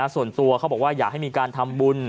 ส่วนตัวเขาบอกว่าอยากให้มีการทำบุญ